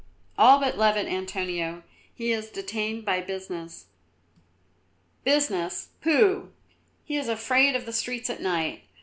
"All but Louvet, Antonio. He is detained by business." "Business, pooh! He is afraid of the streets at night.